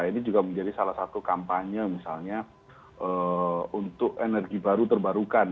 ini juga menjadi salah satu kampanye misalnya untuk energi baru terbarukan